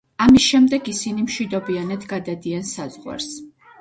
ამის შემდეგ ისინი მშვიდობიანად გადადიან საზღვარს.